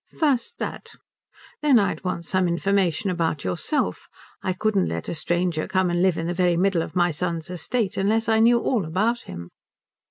"First that. Then I'd want some information about yourself. I couldn't let a stranger come and live in the very middle of my son's estate unless I knew all about him."